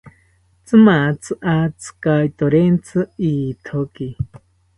Tzimatzi atzikaitorentzi ithoki